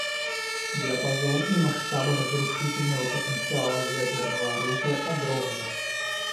Диапазон и масштабы разрушительного потенциала ядерного оружия огромны.